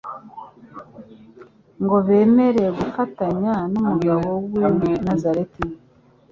ngo bemere gufatanya n'umugabo w'i Nazareti.